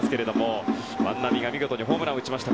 万波が見事にホームランを打ちました。